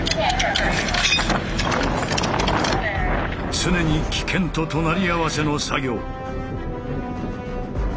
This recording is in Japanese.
常に危険と隣り合わせの作業。